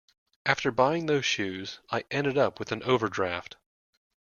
After buying those shoes I ended up with an overdraft